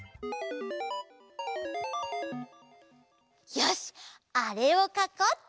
よしあれをかこうっと！